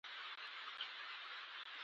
ماشومانو د خپل ښوونکي خبرې په غور اوریدلې.